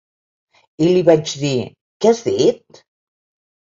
I li vaig dir: “Què has dit?”